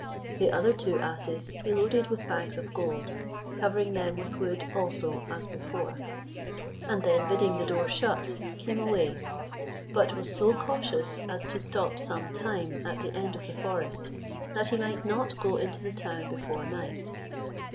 The other two asses he loaded with bags of gold, covering them with wood also as before; and then bidding the door shut, came away; but was so cautious as to stop some time at the end of the forest, that he might not go into the town before night.